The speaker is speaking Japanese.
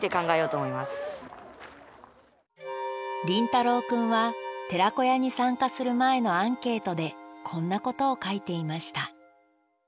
麟太郎君は寺子屋に参加する前のアンケートでこんなことを書いていました。